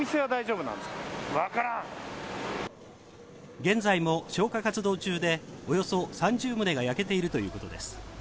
現在も消火活動中で、およそ３０棟が焼けているということです。